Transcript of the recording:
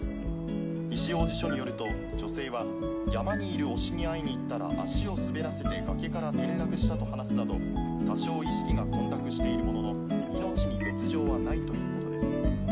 イシオウジ署によると女性は山にいる推しに会いにいったら足を滑らせて崖から転落したと話すなど多少意識が混濁しているものの命に別状はないということです。